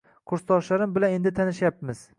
Kursdoshlarim bilan endi tanishyapmiz